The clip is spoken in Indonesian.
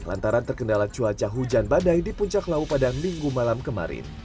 lantaran terkendala cuaca hujan badai di puncak lawu padang minggu malam kemarin